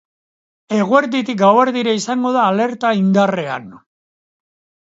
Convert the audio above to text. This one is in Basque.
Eguerditik gauerdira izango da alerta indarrean.